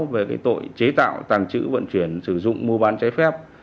về tội chế tạo tàng trữ vận chuyển sử dụng mua bán trái phép